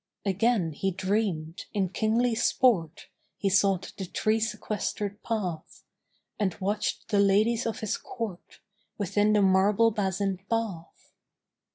Again, he dreamed, in kingly sport He sought the tree sequestered path, And watched the ladies of his Court Within the marble basined bath.